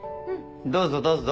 どうぞどうぞ。